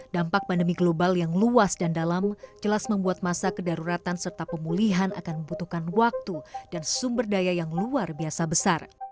dampak pandemi global yang luas dan dalam jelas membuat masa kedaruratan serta pemulihan akan membutuhkan waktu dan sumber daya yang luar biasa besar